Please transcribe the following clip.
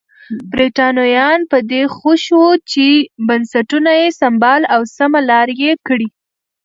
برېټانویان پر دې خوښ وو چې بنسټونه یې سمبال او سمه لار یې کړي.